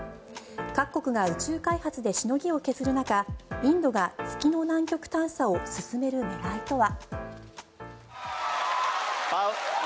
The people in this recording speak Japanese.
各国が宇宙開発でしのぎを削る中インドが月の南極探査を進める狙いとは。